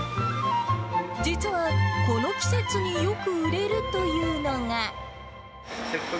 実は、この季節によく売れるというのが。